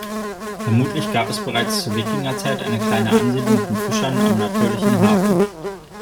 Vermutlich gab es bereits zur Wikingerzeit eine kleine Ansiedlung von Fischern am natürlichen Hafen.